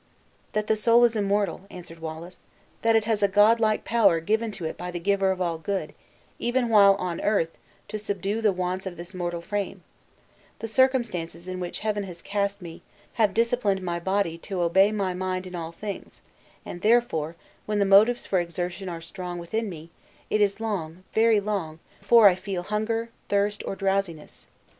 "That the soul is immortal," answered Wallace; "that it has a godlike power given to it by the Giver of all good, even while on earth, to subdue the wants of this mortal frame. The circumstances in which Heaven has cast me, have disciplined my circumstances in which Heaven has cast me, have disciplined my body to obey my mind in all things; and, therefore, when the motives for exertion are strong within me, it is long, very long, before I feel hunger, thirst, or drowsiness.